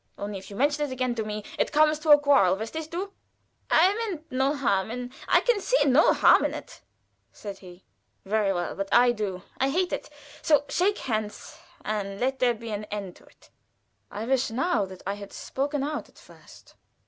Only if you mention it again to me it comes to a quarrel verstehst du?" "I meant no harm, and I can see no harm in it," said he. "Very well; but I do. I hate it. So shake hands, and let there be an end of it. I wish now that I had spoken out at first.